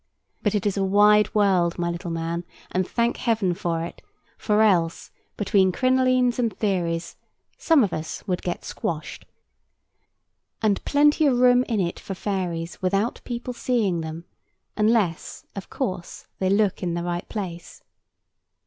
But it is a wide world, my little man—and thank Heaven for it, for else, between crinolines and theories, some of us would get squashed—and plenty of room in it for fairies, without people seeing them; unless, of course, they look in the right place.